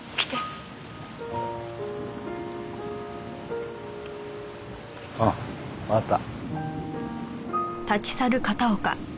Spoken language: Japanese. えっ？ああわかった。